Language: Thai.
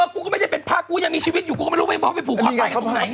เออกูก็ไม่ได้เป็นพระกูยังมีชีวิตอยู่กูก็ไม่รู้ว่าเขาไปปลูกภาพไกลตรงไหน